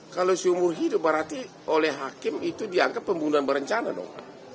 kalau seumur hidup berarti oleh hakim itu dianggap pembunuhan berencana dong